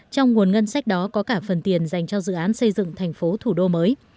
trong nguồn ngân sách đó có cả phần tiền dành cho dự án xây dựng thành phố thủ đô mới